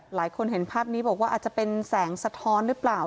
หลายคนเห็นภาพนี้บอกว่าอาจจะเป็นแสงสะท้อนหรือเปล่า